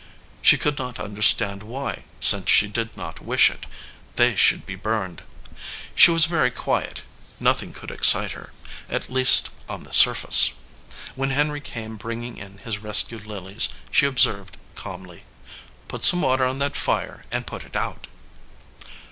She could not understand why, since she did not wish it, they should be burned. She was very quiet. Nothing could excite her, at least on the surface. When Henry came bringing in his rescued lilies, she observed, calmly, "Put some water on that fire and put it out."